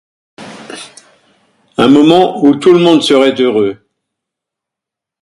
Un moment où tout le monde serait heureux.